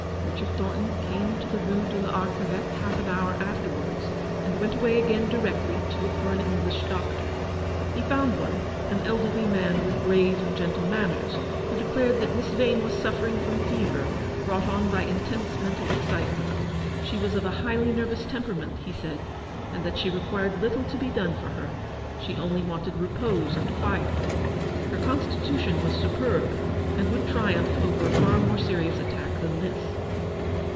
Richard Thornton came to the Rue de TArcheveque half an hour afterwards, and went away again directly to look for an English doctor. He found one, an elderly man with grave and gentle manners, who declared that Miss Vane was suffering from fever brought on by intense 150 Eleanor's victory. mental excitement : she was of a highly nervous temperament, he said, and that she required little to be done for her ; she only wanted repose and quiet. Her constitution was superb, and would triumph over a far more serious attack than this.